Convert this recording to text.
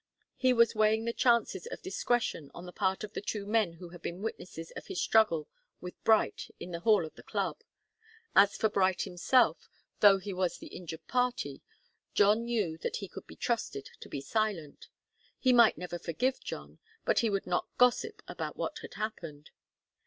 He was weighing the chances of discretion on the part of the two men who had been witnesses of his struggle with Bright in the hall of the club. As for Bright himself, though he was the injured party, John knew that he could be trusted to be silent. He might never forgive John, but he could not gossip about what had happened.